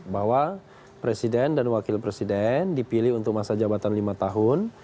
bahwa presiden dan wakil presiden dipilih untuk masa jabatan lima tahun